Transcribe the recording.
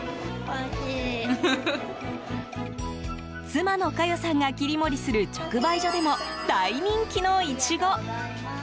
妻の嘉余さんが切り盛りする直売所でも大人気のイチゴ。